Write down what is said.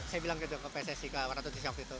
saya bilang gitu ke pssi ke waratusi waktu itu